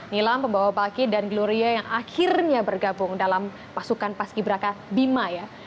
nilam pembawa baki dan gloria yang akhirnya bergabung dalam pasukan paski beraka bima ya